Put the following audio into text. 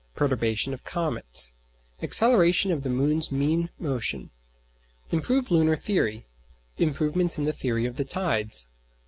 Perturbations of comets. Acceleration of the moon's mean motion. Improved lunar theory. Improvements in the theory of the tides.